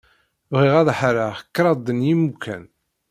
Bɣiɣ ad ḥeṛṛeɣ kraḍ n yimukan.